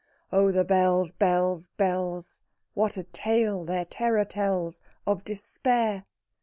Oh, the bells, bells, bells! What a tale their terror tells Of Despair!